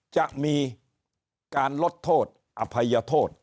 จะมีการลดโทษอภัยโทษ